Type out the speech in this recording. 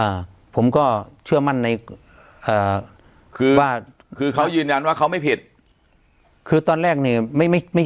อ่าผมก็เชื่อมั่นในอ่าคือว่าคือเขายืนยันว่าเขาไม่ผิดคือตอนแรกนี่ไม่ไม่ไม่